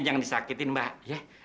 jangan disakitin mbak ya